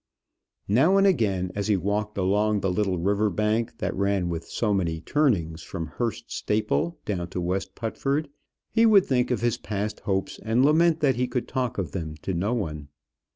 Now and again, as he walked along the little river bank that ran with so many turnings from Hurst Staple down to West Putford, he would think of his past hopes, and lament that he could talk of them to no one.